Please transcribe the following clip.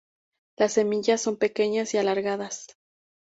Las semillas son pequeñas y alargadas.